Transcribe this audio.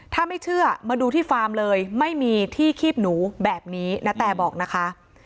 ถ้าไม่เชื่อมาดูที่ฟาร์มเลยไม่มีที่คีบหนูแบบนี้ณแตบอกนะคะ